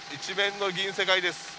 １面の銀世界です